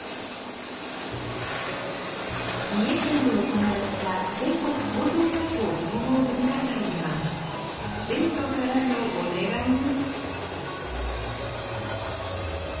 三重県で行われた全国高等学校総合文化祭では、生徒からのお願いに。